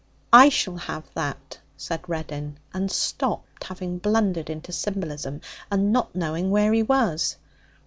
'I shall have that!' said Reddin, and stopped, having blundered into symbolism, and not knowing where he was.